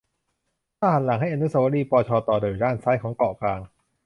ถ้าหันหลังให้อนุเสาวรีย์ปชต อยู่ด้านซ้ายของเกาะกลาง